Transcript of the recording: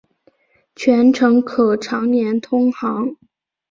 全程可常年通航。